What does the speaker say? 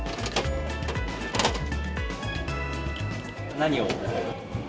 何を？